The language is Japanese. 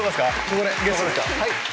ここで。